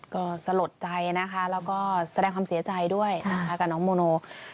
ก็สลดใจนะคะแล้วก็แสดงความเสียใจด้วยนะคะกับน้องโมโน